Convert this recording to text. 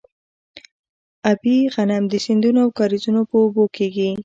ابي غنم د سیندونو او کاریزونو په اوبو کیږي.